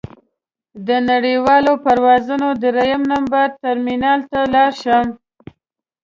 د نړیوالو پروازونو درېیم نمبر ټرمینل ته لاړ شم.